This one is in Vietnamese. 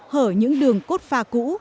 hở những đường cốt pha cũ